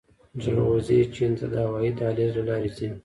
جلغوزي چین ته د هوايي دهلیز له لارې ځي